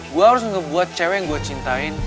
gue harus ngebuat cewek yang gue cintain